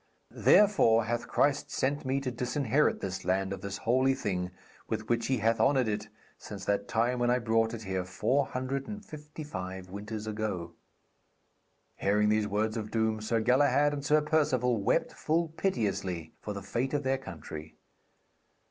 Therefore hath Christ sent me to disinherit this land of this holy thing with which He hath honoured it since that time when I brought it here four hundred and fifty five winters ago.' Hearing these words of doom, Sir Galahad and Sir Perceval wept full piteously for the fate of their country.